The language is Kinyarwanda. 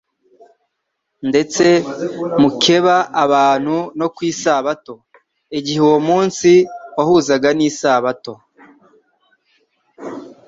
ndetse mukeba abantu no ku isabato.» Igihe uwo munsi wahuzaga n'isabato,